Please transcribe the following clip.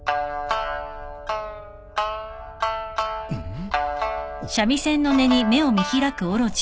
ん？